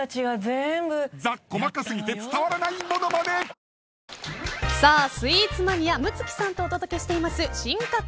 季節ごとにスイーツマニア夢月さんとお届けしています進化系